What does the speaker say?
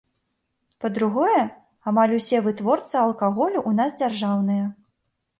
Па-другое, амаль усе вытворцы алкаголю ў нас дзяржаўныя.